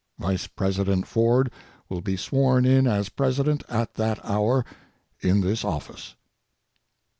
Vice President Ford will be sworn in as President at that hour in this office.